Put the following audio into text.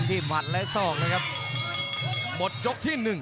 กำปั้นขวาสายวัดระยะไปเรื่อย